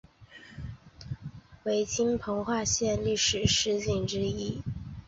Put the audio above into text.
为今彰化县历史十景之一。